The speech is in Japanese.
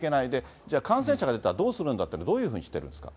じゃあ、感染者が出たらどうするんだって、どういうふうにしてるんですか？